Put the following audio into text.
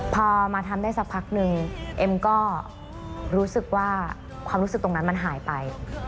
พอมาทำได้สักพักนึงเอ็มก็รู้สึกว่าความรู้สึกตรงนั้นมันหายไป